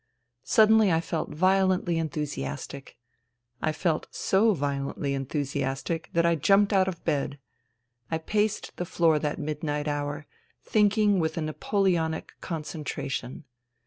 Suddenly I felt violently enthusiastic. I felt so violently enthusiastic that I jumped out of bed. I paced the floor that mid night hour, thinking with a Napoleonic concentration.